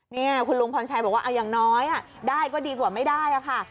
นี่คุณลุงพรชัยบอกว่าอย่างน้อยได้ก็ดีกว่าไม่ได้ค่ะ